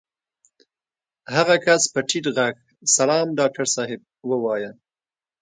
هغه کس په ټيټ غږ سلام ډاکټر صاحب ووايه.